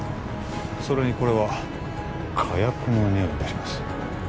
それにこれは火薬のにおいがします